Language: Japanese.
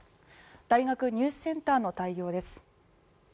大学入試センターの対応です。